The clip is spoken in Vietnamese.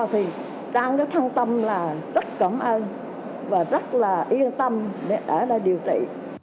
thì trang rất thân tâm là rất cảm ơn và rất là yên tâm để ở đây điều trị